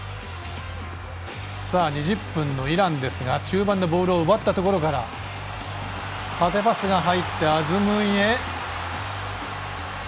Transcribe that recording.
２０分のイランですが中盤でボールを奪ったところから縦パスが入ってアズムンへ。